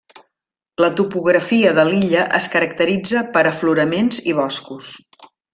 La topografia de l'illa es caracteritza per afloraments i boscos.